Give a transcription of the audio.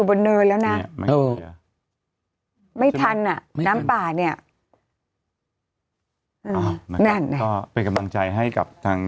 บนเนินแล้วนะไม่ทันอ่ะน้ำป่าเนี่ยนั่นน่ะก็เป็นกำลังใจให้กับทาง